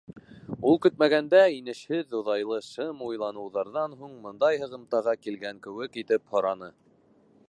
Ул көтмәгәндә, инешһеҙ, оҙайлы шым уйланыуҙарҙан һуң бындай һығымтаға килгән кеүек итеп, һораны: